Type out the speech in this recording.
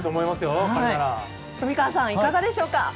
富川さん、いかがでしょうか？